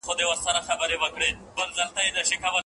خاوند او ميرمن د چارو لپاره مشوره څنګه کوي؟